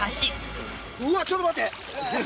うわ、ちょっと待って！